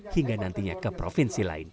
hingga nantinya ke provinsi lain